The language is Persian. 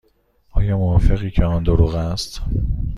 آیا موافقی که آن دروغ است؟